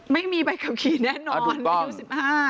ไม่มีใบขับขี่แน่นอนอายุ๑๕